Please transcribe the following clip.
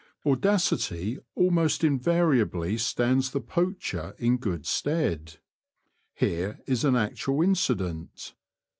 Audacity almost invariably stands the poacher in good stead. Here is an actual incident.